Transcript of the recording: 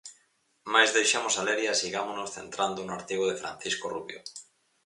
Mais, deixemos a leria e sigámonos centrando no artigo de Francisco Rubio.